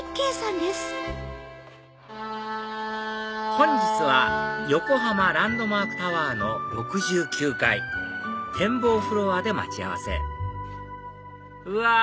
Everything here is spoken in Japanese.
本日は横浜ランドマークタワーの６９階展望フロアで待ち合わせうわ